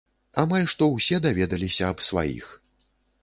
Амаль што ўсе даведаліся аб сваіх.